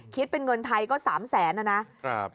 คิดเป็นเงินไทยก็๓๐๐๐๐๐บาทครับ